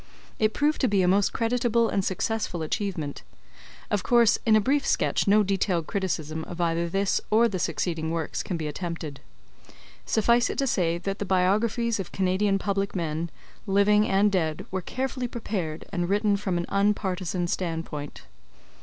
It proved to be a most creditable and successful achievement. Of course in a brief sketch no detailed criticism of either this or the succeeding works can be attempted. Suffice it to say that the biographies of Canadian public men, living and dead, were carefully prepared, and written from an un partisan standpoint.